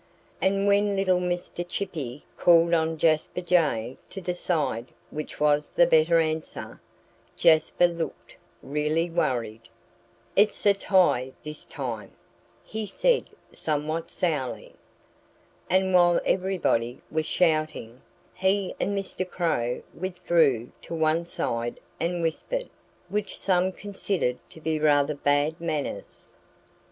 And when little Mr. Chippy called on Jasper Jay to decide which was the better answer, Jasper looked really worried. "It's a tie this time," he said somewhat sourly. And while everybody was shouting, he and Mr. Crow withdrew to one side and whispered, which some considered to be rather bad manners.